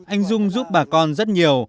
anh dung giúp bà con rất nhiều